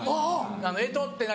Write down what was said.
「干支って何？」